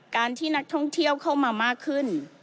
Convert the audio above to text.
การที่นักท่องเที่ยวเข้ามามากขึ้น